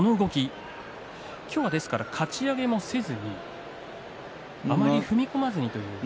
ですから今日はかち上げをせずにあまり踏み込まずにという。